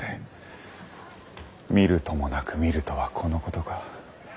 見るともなく見るとはこのことか。